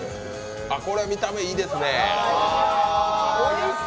あっ、これは見た目、いいですね。